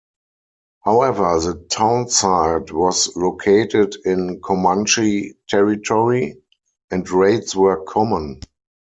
However the townsite was located in Comanche territory and raids were common.